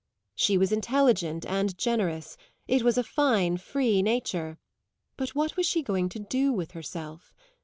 She was intelligent and generous; it was a fine free nature; but what was she going to do with herself?